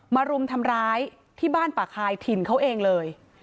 รุมทำร้ายที่บ้านป่าคายถิ่นเขาเองเลย